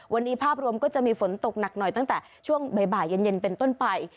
วันนี้ภาพรวมก็จะมีฝนตกหนักหน่อยตั้งแต่ช่วงบ่ายเย็นเป็นต้นไป